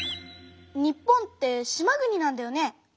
日本って島国なんだよね。